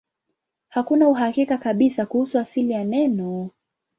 Hakuna uhakika kabisa kuhusu asili ya neno.